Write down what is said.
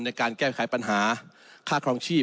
ในการแก้ไขปัญหาค่าครองชีพ